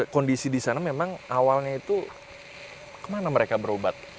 kondisi di sana memang awalnya itu kemana mereka berobat